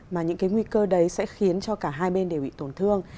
mà những cái nguy cơ đấy sẽ khiến cho cả hai bên đều bị tổn thương